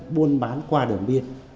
buôn bán qua đường biên